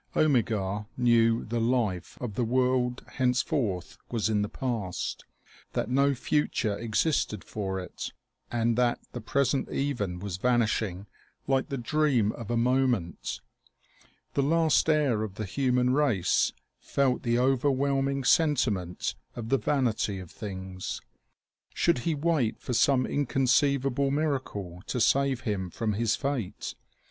Omegar knew the life of the world hence forth was in the past, that no future existed for it, and that the present even was vanishing like the dream of a moment. The last heir of the human race felt the overwhelming sentiment of the vanity of things. Should he wait for some inconceivable miracle to save him from his fate?